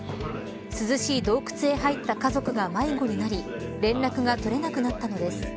涼しい洞窟へ入った家族が迷子になり連絡が取れなくなったのです。